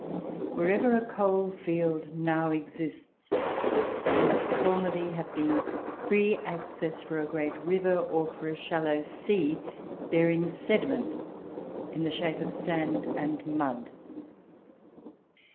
Wherever a coal field now exists, there must formerly have been free access for a great river, or for a shallow sea, bearing sediment in the shape of sand and mud.